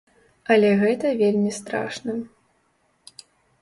Але гэта вельмі страшна.